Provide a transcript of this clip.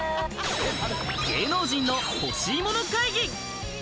芸能人の欲しい物会議。